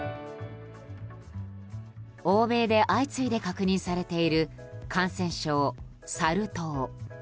欧米で相次いで確認されている感染症、サル痘。